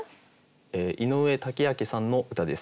井上武明さんの歌です。